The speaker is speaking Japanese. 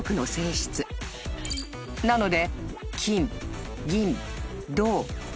［なので］